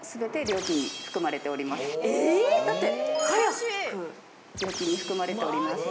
料金に含まれております。